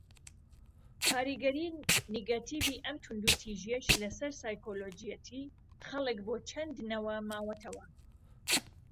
کاریگەری نیگەتیڤی ئەم توند و تیژیەش لەسەر سایکۆلجەیەتی خەلك بۆ چەند نەوە ماەوەتەوە.